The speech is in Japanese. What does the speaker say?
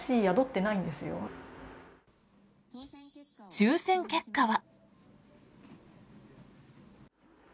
抽選結果は。